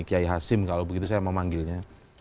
kiai hasim kalau begitu saya mau manggilnya